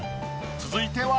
続いては。